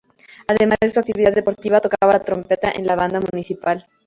Además de su actividad deportiva, tocaba la trompeta en la Banda Municipal.